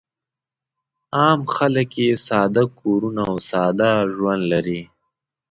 عام خلک یې ساده کورونه او ساده ژوند لري.